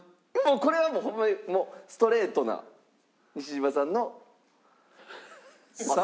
これはホンマにもうストレートな西島さんの。